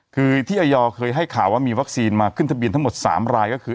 คือที่อยเคยให้ข่าวว่ามีวัคซีนมาขึ้นทะเบียนทั้งหมด๓รายก็คือ